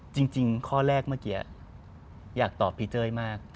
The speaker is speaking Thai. จริงข้อแรกเมื่อกี้อยากตอบพี่เต้ยมาก